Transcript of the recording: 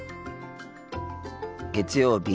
月曜日。